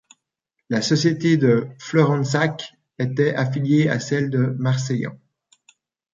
La société de Florensac était affiliée à celle de Marseillan.